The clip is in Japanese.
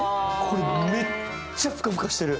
めっちゃふかふかしてる。